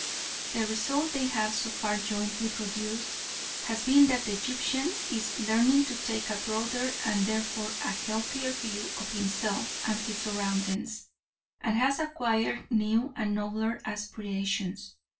The result they have so far jointly produced has been that the Egyptian is learning to take a broader and therefore a healthier view of himself and his surroundings, and has acquired new and nobler aspirations.